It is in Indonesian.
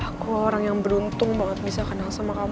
aku orang yang beruntung banget bisa kenal sama kamu